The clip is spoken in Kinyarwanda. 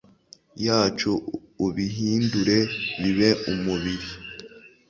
yacu, ubihindure bibe umubiri